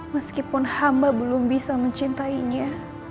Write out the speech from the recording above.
meskipun hamba belum bisa mencintainya